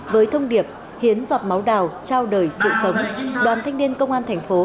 với thông điệp hiến giọt máu đào trao đời sự sống đoàn thanh niên công an thành phố